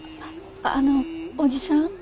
ああのおじさん。